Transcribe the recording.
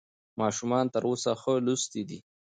ماشومان تر اوسه ښه لوستي دي.